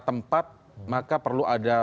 tempat maka perlu ada